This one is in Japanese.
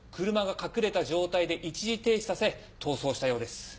車が隠れた状態で一時停止させ逃走したようです。